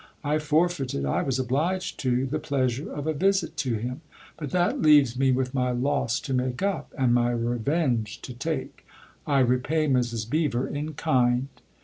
I forfeited I was obliged to the pleasure of a visit to him. But that leaves me with my loss to make up and my revenge to take I repay Mrs. Beever in kind."